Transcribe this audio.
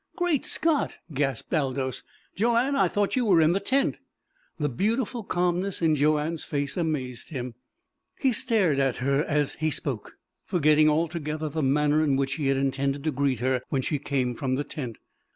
"Great Scott!" gasped Aldous. "Joanne, I thought you were in the tent!" The beautiful calmness in Joanne's face amazed him. He stared at her as he spoke, forgetting altogether the manner in which he had intended to greet her when she came from the tent.